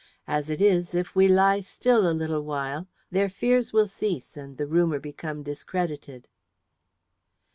As it is, if we lie still a little while, their fears will cease and the rumour become discredited."